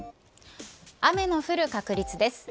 雨の降る確率です。